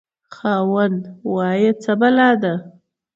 خاوند: وایه څه بلا ده؟